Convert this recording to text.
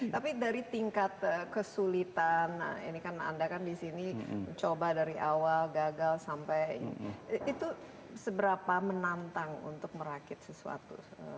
tapi dari tingkat kesulitan ini kan anda kan di sini coba dari awal gagal sampai itu seberapa menantang untuk merakit sesuatu